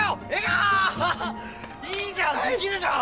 いいじゃんできるじゃん。